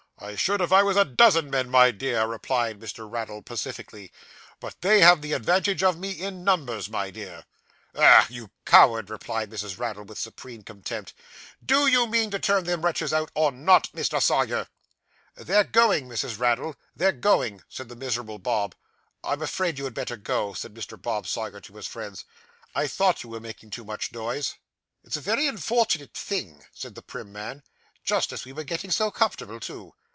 I should if I was a dozen men, my dear,' replied Mr. Raddle pacifically, 'but they have the advantage of me in numbers, my dear.' 'Ugh, you coward!' replied Mrs. Raddle, with supreme contempt. 'Do you mean to turn them wretches out, or not, Mr. Sawyer?' 'They're going, Mrs. Raddle, they're going,' said the miserable Bob. 'I am afraid you'd better go,' said Mr. Bob Sawyer to his friends. 'I thought you were making too much noise.' 'It's a very unfortunate thing,' said the prim man. 'Just as we were getting so comfortable too!